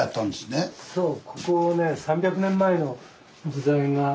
そう。